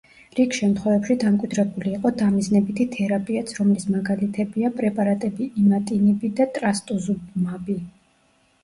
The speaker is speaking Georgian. რიგ შემთხვევებში დამკვიდრებული იყო დამიზნებითი თერაპიაც, რომლის მაგალითებია პრეპარატები „იმატინიბი“ და „ტრასტუზუმაბი“.